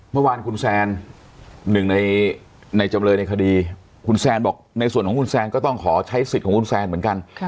เมื่อวานคุณแซนหนึ่งในจำเลยในคดีคุณแซนบอกในส่วนของคุณแซนก็ต้องขอใช้สิทธิ์ของคุณแซนเหมือนกัน